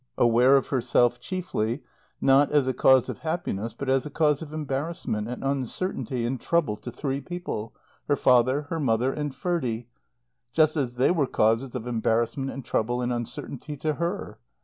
Aware of herself, chiefly, not as a cause of happiness, but as a cause of embarrassment and uncertainty and trouble to three people, her father, her mother and Ferdie, just as they were causes of embarrassment and trouble and uncertainty to her.